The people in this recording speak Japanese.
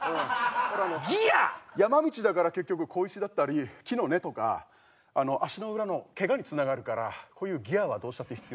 山道だから結局小石だったり木の根とか足の裏のケガにつながるからこういうギアはどうしたって必要。